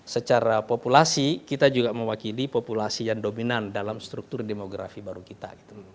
secara populasi kita juga mewakili populasi yang dominan dalam struktur demografi baru kita